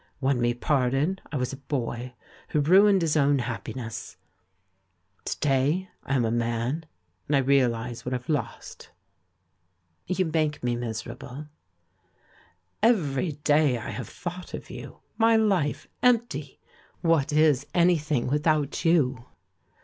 When we parted, I was a boy, who ruined his own happiness ; to day I am a man, and I realise what I've lost." "You make me miserable." "Every day I have thought of you. My life — empty! What is anything without you?"